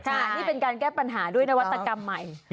อันนี้เป็นการแก้ปัญหาด้วยนวัตกรรมใหม่